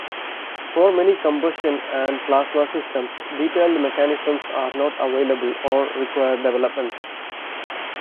For many combustion and plasma systems, detailed mechanisms are not available or require development.